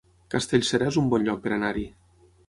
Castellserà es un bon lloc per anar-hi